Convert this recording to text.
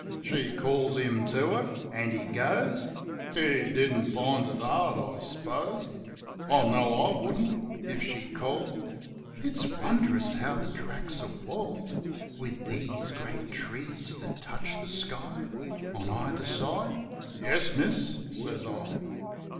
She calls him to her, an' he goes. (He didn't find it hard, I s'pose; 57 58 JIM OF THE HILLS I knt)w I wouldn't, if she called.) "It's wondrous how the tracks are walled With these great trees that touch the sky On either side." "Yes, miss," says I.